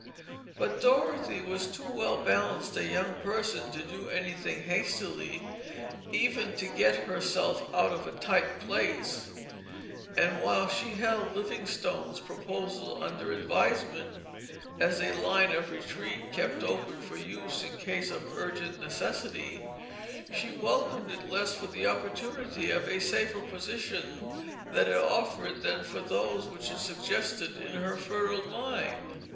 But Dorothy was too well balanced a young person to do anything hastily, even to get herself out of a tight place; and while she held Livingstone's proposal under advisement as a line of retreat kept open for use in case of urgent necessity she welcomed it less for the possibilities of a safer position that it offered than for those which it suggested to her fertile mind.